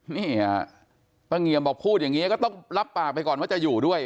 นี่ฮะป้าเงียมบอกพูดอย่างนี้ก็ต้องรับปากไปก่อนว่าจะอยู่ด้วย